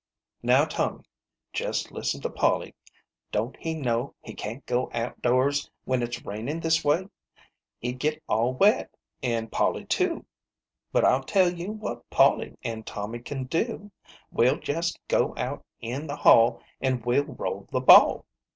" Now, Tommy, jest listen to Polly. Don't he know he can't go out doors when it's rainin' this way ? He'd get all 84 SISTER LIDDY. wet, an' Polly too. But I'll tell you what Polly an' Tom my can do. We'll jest go out in the hall an' we'll roll the ball.